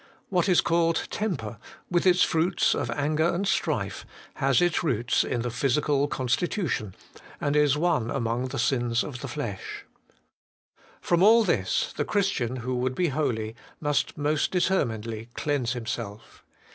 What is called temper, with its fruits of anger and strife, has its roots in the physical constitution, and is one among the sins of the flesh. From all this, the Christian, who would be holy, must most determinedly cleanse himself.